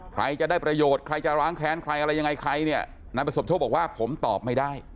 ใครจะได้ประโยชน์ใครจะล้างแค้นใครอะไรยังไงใครเนี่ยนายประสบโชคบอกว่าผมตอบไม่ได้